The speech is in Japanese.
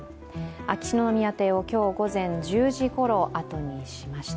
秋篠宮邸を今日午前１０時ごろ後にしました。